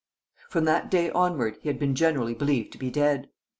] From that day onward he had been generally believed to be dead.